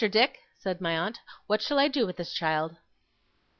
Dick,' said my aunt, 'what shall I do with this child?